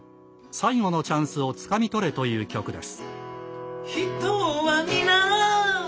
最後のチャンスをつかみ取れという曲です。